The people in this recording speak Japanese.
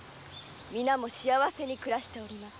皆も幸せに暮らしております。